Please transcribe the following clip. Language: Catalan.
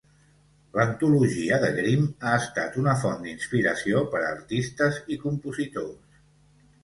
L'antologia de Grimm ha estat una font d'inspiració per a artistes i compositors.